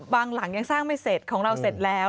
หลังยังสร้างไม่เสร็จของเราเสร็จแล้ว